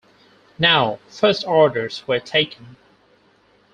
Now, first orders were taken.